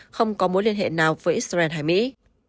không có mối liên hệ nào với israel hay mỹ